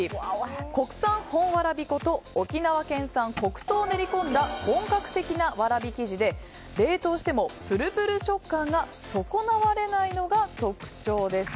国産本わらび粉と沖縄県産黒糖を練り込んだ本格的なわらび生地で冷凍してもプルプル食感が損なわれないのが特徴です。